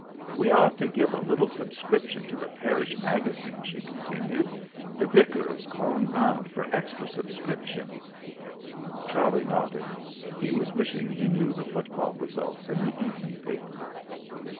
"We ought to give a little subscription to the Parish Magazine," she continued. "The Vicar is calling round for extra subscriptions." Charlie nodded. He was wishing he knew the football results in the evening paper.